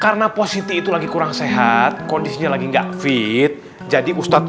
karena positi itu lagi kurang sehat kondisinya lagi enggak fit jadi ustadz